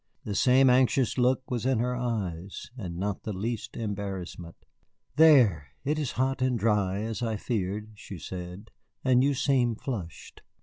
The same anxious look was in her eyes, and not the least embarrassment. "There, it is hot and dry, as I feared," she said, "and you seem flushed."